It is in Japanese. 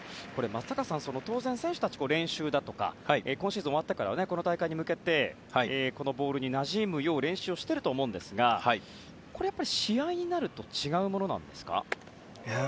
松坂さん、当然選手たちは練習だとかシーズンが終わってからこの大会に向けてこのボールになじむよう練習をしていると思いますがこれはやっぱり試合になると違うものなんですか？